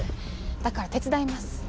だから手伝います。